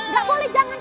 gak boleh jangan